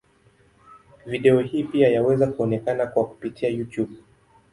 Video hii pia yaweza kuonekana kwa kupitia Youtube.